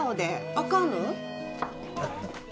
あかんの？